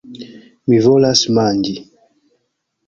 Mi volas manĝi!